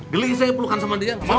geli saya pelukan sama dia